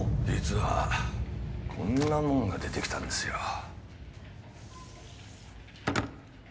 実はこんなもんが出てきたんですよ